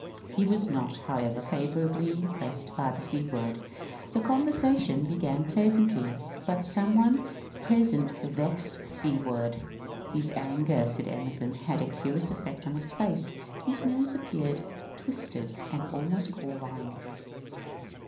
He was not, however, favourably impressed by Seward. The conversation began pleasantly, but some one present vexed Seward. ^^ His anger," said Emerson, ^ had a curious effect on his face; his nose appealed twisted and almost corvine."